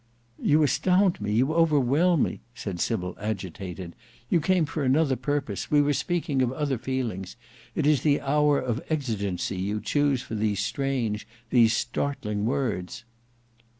"You astound, you overwhelm me," said Sybil, agitated. "You came for another purpose, we were speaking of other feelings; it is the hour of exigency you choose for these strange, these startling words."